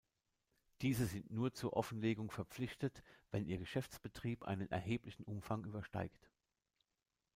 Diese sind nur zur Offenlegung verpflichtet, wenn ihr Geschäftsbetrieb einen erheblichen Umfang übersteigt.